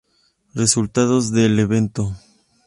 Resultados del evento